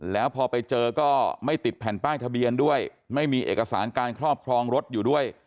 แล้วพอไปเจอก็ไม่ติดแผ่นป้ายทะเบียนด้วยไม่มีเอกสารการครอบครองรถอยู่ด้วย